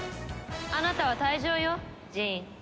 あなたは退場よジーン。